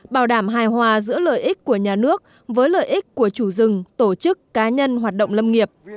bảo đảm hài hòa giữa lợi ích của nhà nước với lợi ích của chủ rừng tổ chức cá nhân hoạt động lâm nghiệp